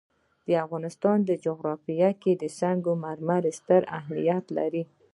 د افغانستان جغرافیه کې سنگ مرمر ستر اهمیت لري.